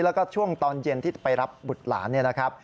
แล้วก็ช่วงตอนเย็นที่ไปรับบุตรหลาน